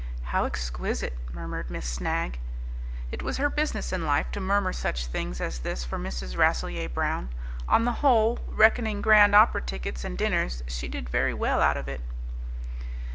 "How exquisite!" murmured Miss Snagg. It was her business in life to murmur such things as this for Mrs. Rasselyer Brown. On the whole, reckoning Grand Opera tickets and dinners, she did very well out of it.